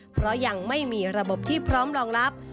เพราะยังไม่มีระบบที่พร้อมรองรับ